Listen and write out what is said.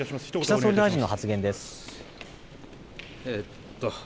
岸田総理大臣の発言です。